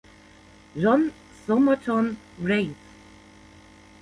John Somerton Wraith.